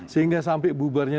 sehingga sampai bubarnya